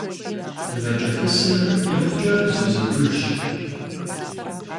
МывэкӀэпысыр икъукӀэ бзу зэкӀужщ.